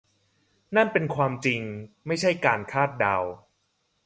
นั่นเป็นความจริงไม่ใช่การคาดเดา